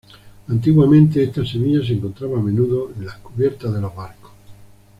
Antiguamente esta semilla se encontraba a menudo en las cubiertas de los barcos.